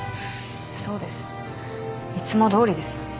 そうです。いつもどおりですよ。